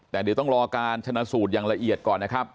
แต่เดี๋ยวต้องรอการชนะสูตรอย่างละเอียดก่อนนะครับ